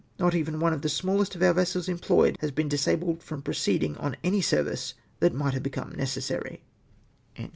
Not even one of the smallest of ouk vessels EMPLOTED HAS BEEN DLSABLED FROM rROCEEDINa ON ANT service that might HAVE BECOME NECESSARY."